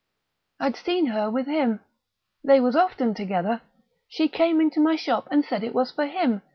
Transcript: "I'd seen her with him ... they was often together ... she came into my shop and said it was for him